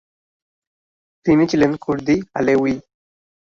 তিনি ছিলেন কুর্দি আলেউই।